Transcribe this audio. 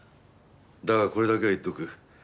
だがこれだけは言っておく。